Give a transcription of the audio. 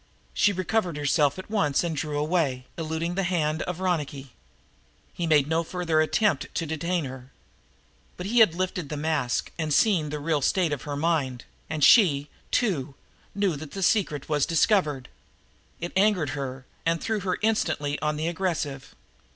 She recovered herself at once and drew away, eluding the hand of Ronicky. He made no further attempt to detain her. But he had lifted the mask and seen the real state of her mind; and she, too, knew that the secret was discovered. It angered her and threw her instantly on the aggressive.